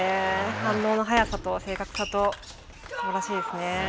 反応の速さと正確さとすばらしいですね。